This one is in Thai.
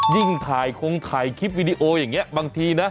ยิ่งถ่ายคลองข่ายคลิปวิดีโอบางที